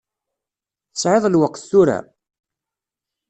Tesεiḍ lweqt tura?